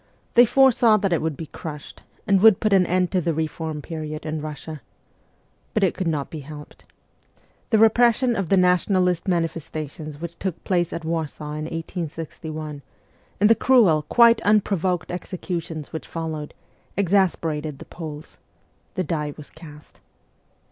They foresaw that it would be crushed, and would put an end to the reform period in Kussia. But it could not be helped. The repression of the nationalist manifestations which took place at "Warsaw in 1861, and the cruel, quite unprovoked executions which followed, exasperated the Poles. The die was cast.